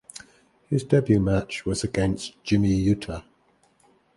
His debut match was against Jimmy Yuta.